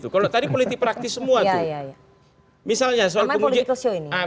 kalau tadi politik praktis semua tuh